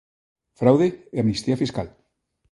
Fraude e amnistía fiscal.